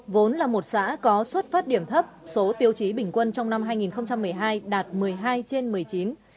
vốn là một xã có xuất phát điểm thấp số tiêu chí bình quân trong năm hai nghìn một mươi hai đạt một mươi hai trên một mươi chín